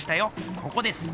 ここです。